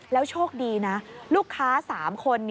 โชคดีนะลูกค้า๓คน